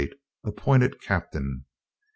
Appointed captain. 1845.